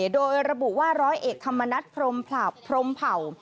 โดยระบุว่าร้อยเอกธรรมนัฐพรมพรมเผ่า